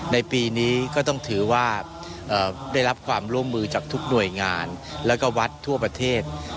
ในปีนี้ก็ต้องถือว่าได้รับความร่วมมือจากทุกหน่วยงานแล้วก็วัดทั่วประเทศ